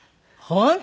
はい。